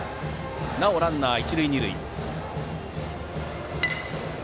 なおもランナーは一塁二塁。